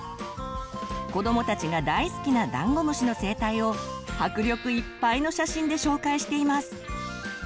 子どもたちが大好きなダンゴムシの生態を迫力いっぱいの写真で紹介しています。